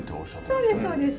そうですそうです。